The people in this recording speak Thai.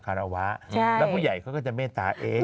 แล้วผู้ใหญ่เค้าก็จะไม่ตาเอ๊ะ